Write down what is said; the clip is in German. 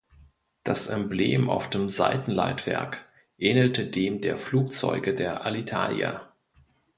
Das Emblem auf dem Seitenleitwerk ähnelte dem der Flugzeuge der Alitalia.